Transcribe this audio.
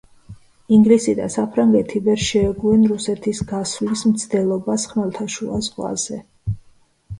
ინგლისი და საფრანგეთი ვერ შეეგუენ რუსეთის გასვლის მცდელობას ხმელთაშუა ზღვაზე.